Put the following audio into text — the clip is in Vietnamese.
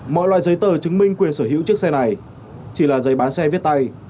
mọi loại giấy tờ chứng minh quyền sở hữu chiếc xe này chỉ là giấy bán xe viết tay